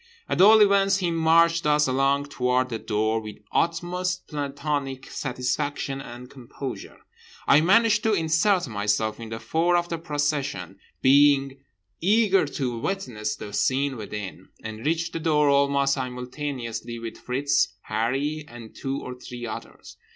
At all events he marched us along toward the door with utmost plantonic satisfaction and composure. I managed to insert myself in the fore of the procession, being eager to witness the scene within; and reached the door almost simultaneously with Fritz, Harree and two or three others.